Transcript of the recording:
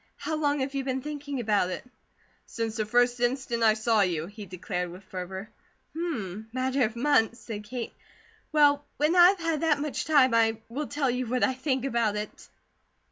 How long have you been thinking about it?" "Since the first instant I saw you!" he declared with fervour. "Hum! Matter of months," said Kate. "Well, when I have had that much time, I will tell you what I think about it."